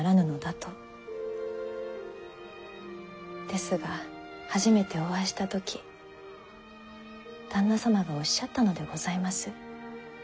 ですが初めてお会いした時旦那様がおっしゃったのでございます。